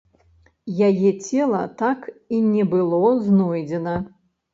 Яе цела так і не было знойдзена.